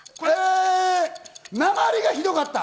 訛りがひどかった。